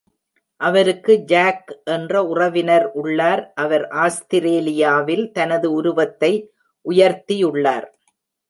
அவருக்கு ஜாக் என்ற உறவினர் உள்ளார், அவர் ஆஸ்திரேலியாவில் தனது உருவத்தை உயர்த்தியுள்ளார்.